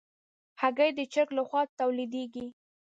هګۍ د چرګ له خوا تولیدېږي.